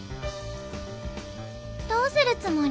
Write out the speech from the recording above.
「どうするつもり？」。